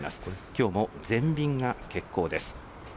きょうも全便が欠航です。